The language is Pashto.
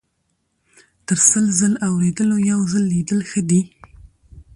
- تر سل ځل اوریدلو یو ځل لیدل ښه دي.